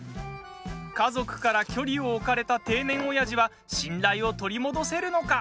家族から距離を置かれた定年オヤジは信頼を取り戻せるのか。